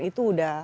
itu sudah bau